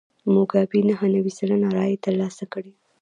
موګابي نهه نوي سلنه رایې ترلاسه کړې.